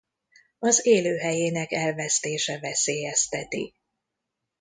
Az élőhelyének elvesztése veszélyezteti.